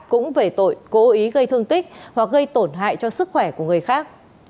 cũng về tội cố ý gây thương tích hoặc gây tổn hại cho sức khỏe của người khác